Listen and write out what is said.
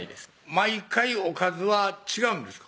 毎回おかずは違うんですか？